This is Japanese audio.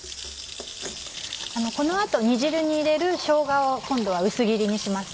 この後煮汁に入れるしょうがを今度は薄切りにします。